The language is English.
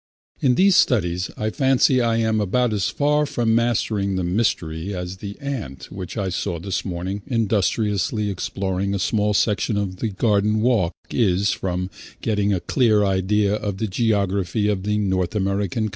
In these studies I fancy I am about as far from mastering the mystery as the ant which I saw this morning industriously exploring a small section of the garden walk is from getting a clear idea of the geography of the North American Continent.